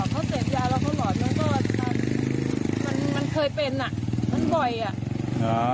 อ๋อเขาเตรียดยานั้นเราก็หล่อยมึงตัวท่านมันมันเคยเป็นอ่ะมันบ่อยอ่ะ